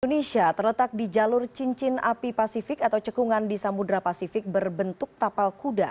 indonesia terletak di jalur cincin api pasifik atau cekungan di samudera pasifik berbentuk tapal kuda